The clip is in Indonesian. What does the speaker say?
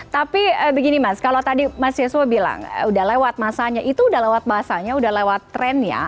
tapi begini mas kalau tadi mas yeswo bilang itu sudah lewat masanya sudah lewat trennya